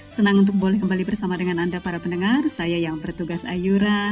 senang untuk boleh kembali bersama dengan anda para pendengar saya yang bertugas ayura